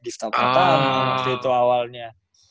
di stout mountain itu awalnya